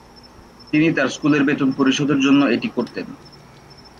তিনি তার স্কুলের বেতন পরিশোধের জন্য এটি করতেন।